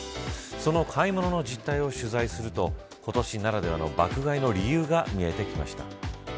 その買い物の実態を取材すると今年ならではの爆買いの理由が見えてきました。